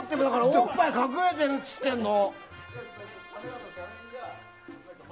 おっぱい隠れてるって言ってるの！